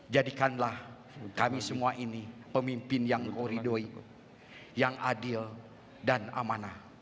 jadikanlah kami semua ini pemimpin yang kau ridhoi yang adil dan amanah